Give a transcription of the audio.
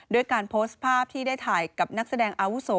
ด้วยการโพสต์ภาพที่ได้ถ่ายกับนักแสดงอาวุโส